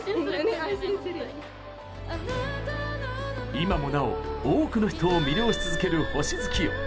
今もなお、多くの人を魅了し続ける「星月夜」。